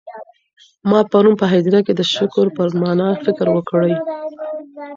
ما پرون په هدیره کي د شکر پر مانا فکر وکړی.